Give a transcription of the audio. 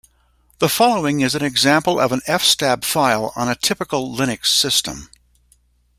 The following is an example of an fstab file on a typical Linux system.